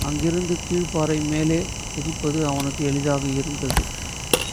அங்கிருந்து கீழ்ப்பாறை மேலே குதிப்பது அவனுக்கு எளிதாக இருந்தது.